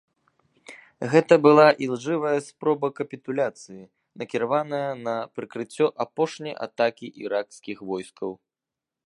Гэта была ілжывая спроба капітуляцыі, накіраваная на прыкрыццё апошняй атакі іракскіх войскаў.